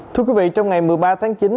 thưa quý vị trong ngày một mươi ba tháng chín